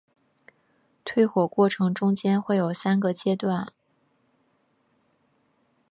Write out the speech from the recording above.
退火过程中间会有三个阶段。